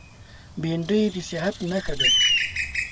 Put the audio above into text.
بېنډۍ د صحت نښه ده